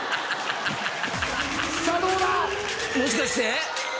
さあどうだ⁉もしかして。